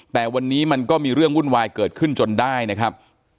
แต่วันนี้มันก็มีเรื่องวุ่นวายเกิดขึ้นจนได้นะครับ